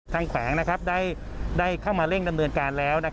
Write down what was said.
แขวงได้เข้ามาเร่งดำเนินการแล้ว